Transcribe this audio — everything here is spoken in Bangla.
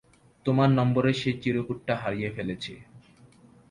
তোমার নম্বরের সেই চিরকুটটা হারিয়ে ফেলেছি।